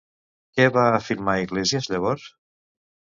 Què va afirmar Iglesias llavors?